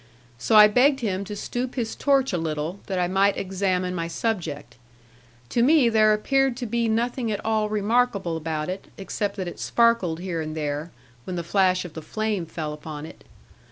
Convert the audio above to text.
So I begged him to stoop his torch a little, that I might examine my subject. To me there appeared to be nothing at all remarkable about it, except that it sparkled here and there, when the flash of the flame fell upon it.